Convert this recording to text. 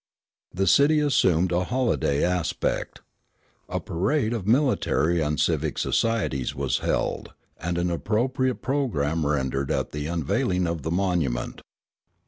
The city assumed a holiday aspect. A parade of military and civic societies was held, and an appropriate programme rendered at the unveiling of the monument.